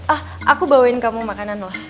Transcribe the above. ah aku bawain kamu makanan loh